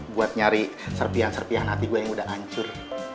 buat nyari serpian serpian hati gue yang udah hancur